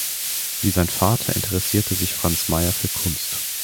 Wie sein Vater interessierte sich Franz Meyer für Kunst.